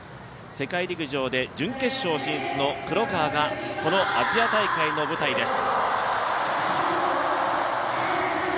世界陸上で準決勝進出の黒川がこのアジア大会の舞台です。